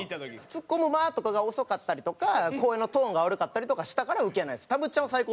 ツッコむ間とかが遅かったりとか声のトーンが悪かったりとかしたからウケないんです。